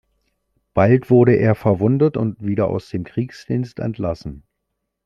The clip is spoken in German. Bald wurde er verwundet und wieder aus dem Kriegsdienst entlassen.